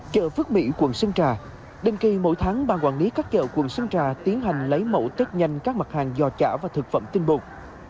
chợ phước mỹ quận sơn trà định kỳ mỗi tháng ban quản lý các chợ quận sơn trà tiến hành lấy mẫu tết nhanh các mặt hàng giò chả và thực phẩm tinh bột